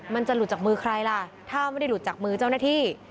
มันจะหลุดจากมือใครล่ะถ้าไม่ได้หลุดจากมือเจ้าหน้าที่